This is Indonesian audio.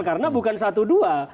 karena bukan satu dua